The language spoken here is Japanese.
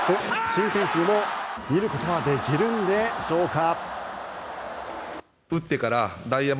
新天地でも見ることができるんでしょうか。